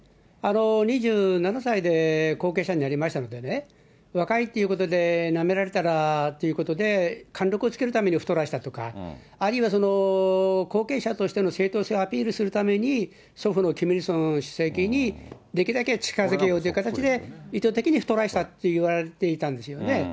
２７歳で後継者になりましたのでね、若いっていうことで、なめられたらということで、貫録をつけるために太らしたとか、あるいはその、後継者としての正統性をアピールするために、祖父のキム・イルソン主席にできるだけ近づけようという形で、意図的に太らせたっていわれていたんですよね。